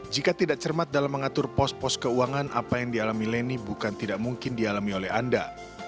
jika tidak cermat dalam mengatur pos pos keuangan apa yang dialami leni bukan tidak mungkin dialami oleh anda